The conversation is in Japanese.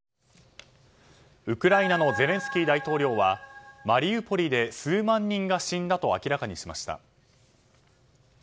ウクライナのゼレンスキー大統領はマリウポリで数万人が死んだと明らかにしました。